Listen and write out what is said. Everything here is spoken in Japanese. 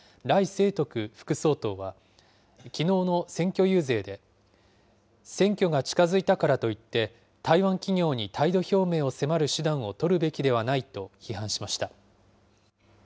清徳副総統は、きのうの選挙遊説で、選挙が近づいたからといって、台湾企業に態度表明を迫る手段を取るべきではないと批判しました。